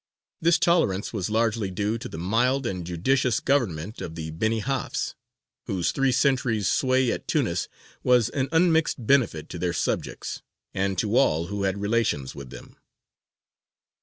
This tolerance was largely due to the mild and judicious government of the Benī Hafs, whose three centuries' sway at Tunis was an unmixed benefit to their subjects, and to all who had relations with them.